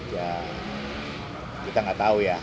ya kita gak tahu